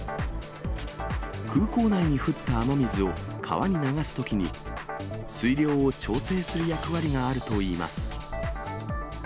空港内に降った雨水を川に流すときに、水量を調整する役割があるといいます。